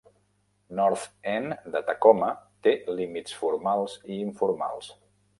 North End de Tacoma té límits formals i informals.